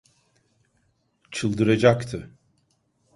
Çıldıracaktı…